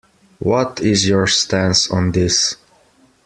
What is your stance on this?